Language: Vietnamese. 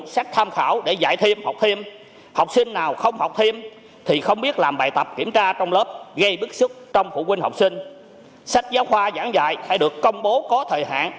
sách giáo khoa giảng dạy hay được công bố có thời hạn